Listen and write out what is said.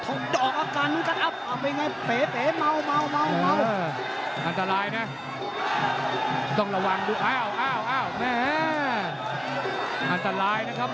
อันตรายนะครับมันหมวกกะน๊อกนิดนึงกะนี่ต้องทันหูไว้เลยนะครับ